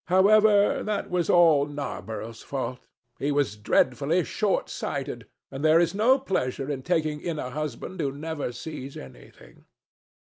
However, that was all Narborough's fault. He was dreadfully short sighted, and there is no pleasure in taking in a husband who never sees anything."